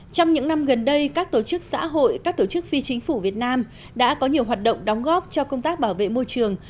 trong những năm gần đây các tổ chức xã hội các tổ chức phi chính phủ việt nam đã có nhiều hoạt động đóng góp cho công tác bảo vệ môi trường